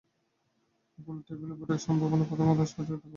গোলটেবিল বৈঠক সঞ্চালনা করেন প্রথম আলোর সহযোগী সম্পাদক আব্দুল কাইয়ুম।